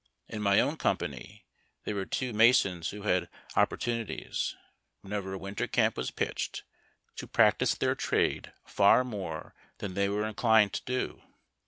In my own company there were two masons who had opportuni ties, whenever a winter camp was pitched, to practise their trade far more than they were inclined to do.